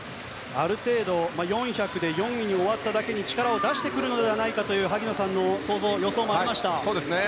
４００で４位に終わっただけに力を出してくるのではないかと萩野さんの予想もありました。